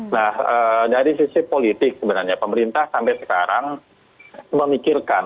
nah dari sisi politik sebenarnya pemerintah sampai sekarang memikirkan